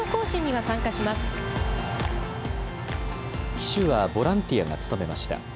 旗手はボランティアが務めました。